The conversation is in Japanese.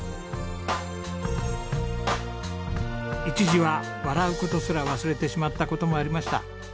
一時は笑う事すら忘れてしまった事もありました。